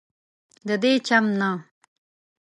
ددې چم نه